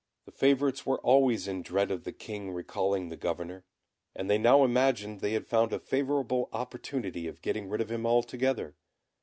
The favourites were always in dread of the King recalling the governor, and they now imagined they had found a favourable opportunity of getting rid of him altogether.